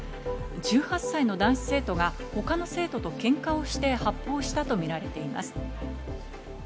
１８歳の男子生徒が他の生徒と喧嘩をして発砲したとみられています。